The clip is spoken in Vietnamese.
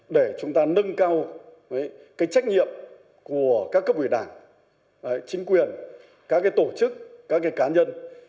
để chúng ta nâng cao trách nhiệm của các cấp ủy đảng chính quyền các tổ chức các cá nhân